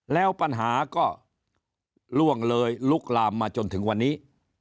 แล้วปัญหาก็ล่วงเลยลุกลามมาจนถึงวันนี้